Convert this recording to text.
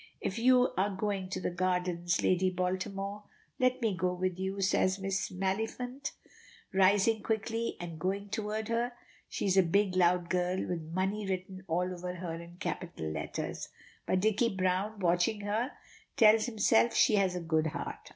"If you are going to the gardens, Lady Baltimore, let me go with you," says Miss Maliphant, rising quickly and going toward her. She is a big, loud girl, with money written all over her in capital letters, but Dicky Browne watching her, tells himself she has a good heart.